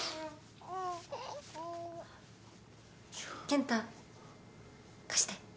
健太貸して。